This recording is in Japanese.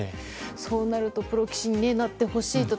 そうなるとプロ棋士になってほしいと。